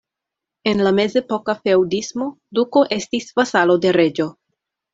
En la mezepoka feŭdismo, duko estis vasalo de reĝo.